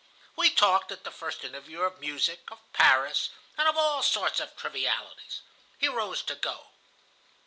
"We talked, at the first interview, of music, of Paris, and of all sorts of trivialities. He rose to go.